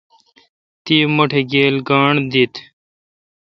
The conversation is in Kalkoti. تی مٹھ گیل گانٹھ دیت؟